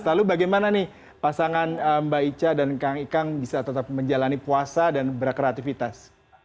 lalu bagaimana nih pasangan mbak ica dan kang ikang bisa tetap menjalani puasa dan berkreativitas